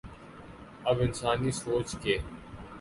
اب انسانی سوچ کے